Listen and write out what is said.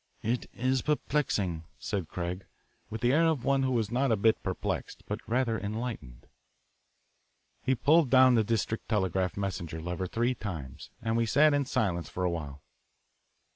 "It is perplexing," said Craig, with the air of one who was not a bit perplexed, but rather enlightened. He pulled down the district telegraph messenger lever three times, and we sat in silence for a while.